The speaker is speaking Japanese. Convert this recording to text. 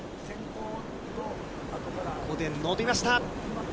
ここで乗りました。